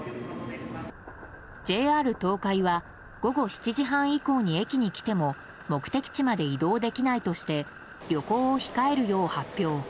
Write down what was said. ＪＲ東海は午後７時半以降に駅に来ても目的地まで移動できないとして旅行を控えるよう発表。